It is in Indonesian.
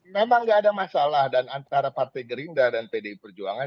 memang tidak ada masalah dan antara partai gerindra dan pdi perjuangan